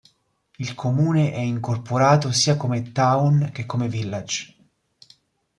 Il comune è incorporato sia come "town" che come "village".